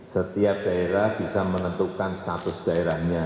setiap daerah bisa menentukan status daerahnya